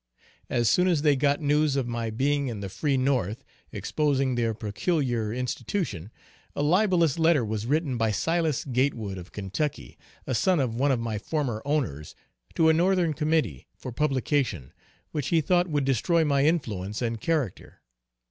As soon as they got news of my being in the free North, exposing their peculiar Institution, a libelous letter was written by Silas Gatewood of Kentucky, a son of one of my former owners, to a Northern Committee, for publication, which he thought would destroy my influence and character.